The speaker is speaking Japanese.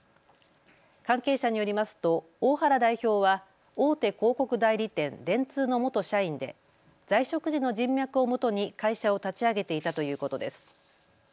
関係者によりますと大原代表は大手広告代理店、電通の元社員で在職時の人脈をもとに会社を立ち上げていたということです。